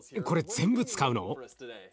これ全部使うの？